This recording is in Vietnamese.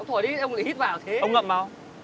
ông thổi ra cơ mà